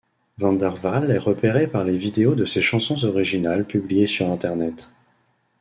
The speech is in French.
VanderWaal est repérée par les vidéos de ses chansons originales publiées sur Internet.